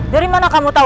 dari mana kamu tahu